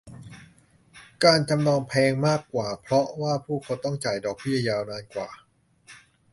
การจำนองแพงมากกว่าเพราะว่าผู้คนต้องจ่ายดอกเบี้ยยาวนานกว่า